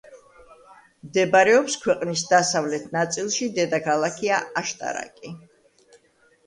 მდებარეობს ქვეყნის დასავლეთ ნაწილში, დედაქალაქია აშტარაკი.